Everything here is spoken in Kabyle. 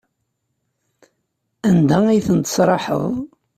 Anda ay ten-tesraḥeḍ?